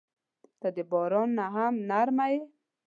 • ته د باران نه هم نرمه یې.